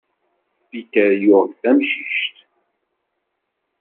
Peter yuɣ-d tamcict.